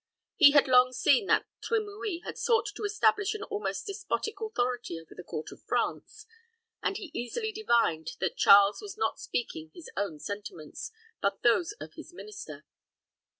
He had long seen that Trimouille had sought to establish an almost despotic authority over the court of France, and he easily divined that Charles was not speaking his own sentiments, but those of his minister.